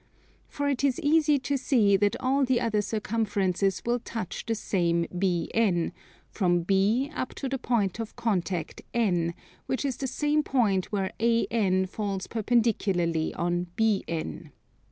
For it is easy to see that all the other circumferences will touch the same BN, from B up to the point of contact N, which is the same point where AN falls perpendicularly on BN.